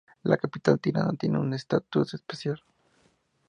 La capital, Tirana, tiene un estatuto especial.